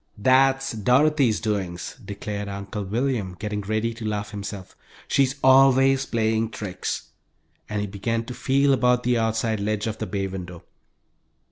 "That's Dorothy's doings!" declared Uncle William, getting ready to laugh himself. "She's always playing tricks," and he began to feel about the outside ledge of the bay window.